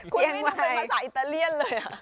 คุณวินนี่เป็นภาษาอิตาเลียนเลย